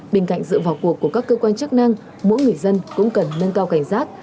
bên cạnh sự vào cuộc của các cơ quan chức năng mỗi người dân cũng cần nâng cao cảnh giác